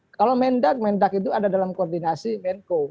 kalau mendak mendak itu ada dalam koordinasi menko